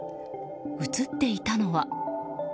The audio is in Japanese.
映っていたのは。